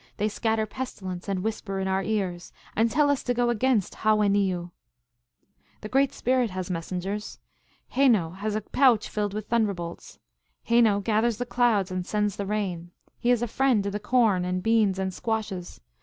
They scat ter pestilence, and whisper in our ears, and tell us to go against Ha wen ni yu. " The Great Spirit has messengers. Heno has a pouch filled with thunderbolts. Heno gathers the clouds and sends the rain. He is a friend to the corn and beans and squashes.